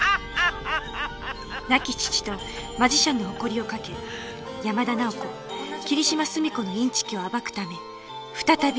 亡き父とマジシャンの誇りをかけ山田奈緒子霧島澄子のインチキを暴くため再び